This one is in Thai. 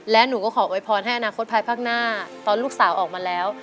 และหนูก็ขอโวยพรให้อนาคตภายภาคหน้าตอนลูกสาวออกมาแล้ว